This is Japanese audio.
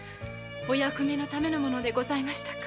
お役目のためのものでございましたか？